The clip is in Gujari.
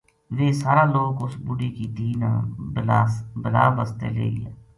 ویہ سارا لوک اس بڈھی کی دھی نا بلا بسطے لے گیا